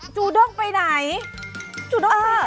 ๑๒จูด้องไปไหน